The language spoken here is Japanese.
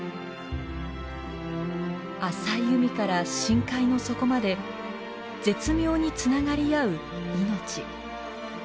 浅い海から深海の底まで絶妙につながり合う命。